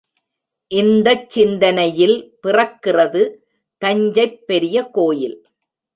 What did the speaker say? இந்தச் சிந்தனையில் பிறக்கிறது தஞ்சைப் பெரிய கோயில்.